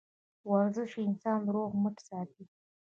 ورزش انسان روغ رمټ ساتي